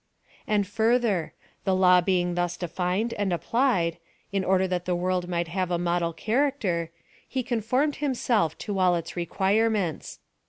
And further ; the law being thus defined and ap^ plied, in order that the world might have a model character, he conformed himself to all its require ments.